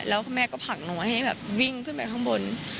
แล้วคุณแม่ก็ผลักหนูให้แบบวิ่งขึ้นไปข้างบน